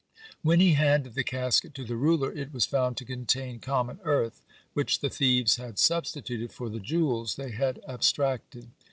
When he handed the casket to the ruler, it was found to contain common earth, which the thieves had substituted for the jewels they had abstracted.